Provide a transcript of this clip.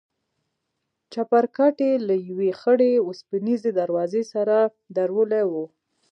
چپرکټ يې له يوې خړې وسپنيزې دروازې سره درولى و.